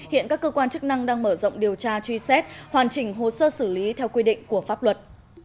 hiện các cơ quan chức năng đang mở rộng điều tra truy xét hoàn chỉnh hồ sơ xử lý theo quy định của pháp luật